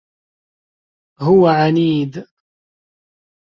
هو عنيد.